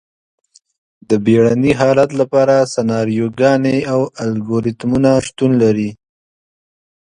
د بیړني حالت لپاره سناریوګانې او الګوریتمونه شتون لري.